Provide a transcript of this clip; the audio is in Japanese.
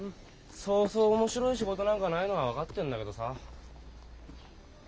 そうそう面白い仕事なんかないのは分かってんだけどさ。